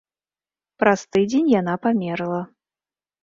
Праз тыдзень яна памерла.